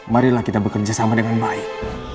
marilah kita bekerja sama dengan baik